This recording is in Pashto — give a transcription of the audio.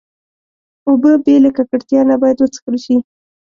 اوبه بې له ککړتیا نه باید وڅښل شي.